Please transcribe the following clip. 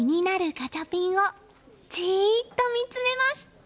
ガチャピンをじーっと見つめます。